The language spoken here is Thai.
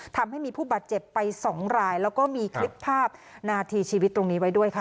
ทำให้มีผู้บาดเจ็บไปสองรายแล้วก็มีคลิปภาพนาทีชีวิตตรงนี้ไว้ด้วยค่ะ